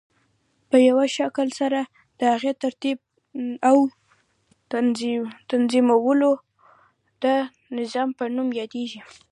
په یوه شکل سره د هغی ترتیب او تنظیمول د نظام په نوم یادیږی.